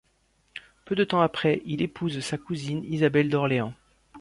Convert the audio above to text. Peu de temps après, il épouse sa cousine Isabelle d'Orléans.